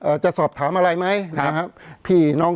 เพราะฉะนั้นประชาธิปไตยเนี่ยคือการยอมรับความเห็นที่แตกต่าง